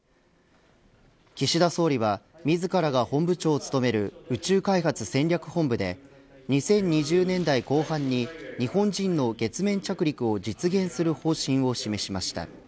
岸田総理は自らが本部長を務める宇宙開発戦略本部で２０２０年代後半に日本人の月面着陸を実現する方針を示しました。